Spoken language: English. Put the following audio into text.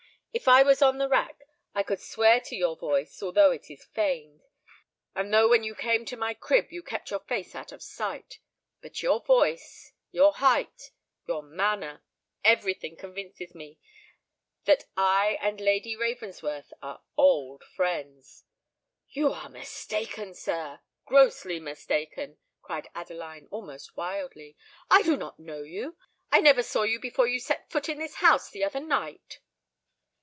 If I was on the rack I could swear to your voice although it is feigned, and though when you came to my crib you kept your face out of sight. But your voice—your height—your manner,—every thing convinces me that I and Lady Ravensworth are old friends." "You are mistaken, sir—grossly mistaken," cried Adeline, almost wildly. "I do not know you—I never saw you before you set foot in this house the other night."